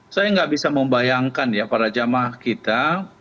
saya nggak bisa membayangkan ya para jamaah kita